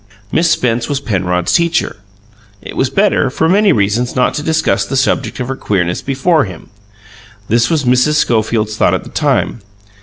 Miss Spence was Penrod's teacher: it was better, for many reasons, not to discuss the subject of her queerness before him. This was Mrs. Schofield's thought at the time.